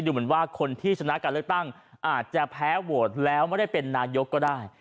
เหมือนว่าคนที่ชนะการเลือกตั้งอาจจะแพ้โหวตแล้วไม่ได้เป็นนายกก็ได้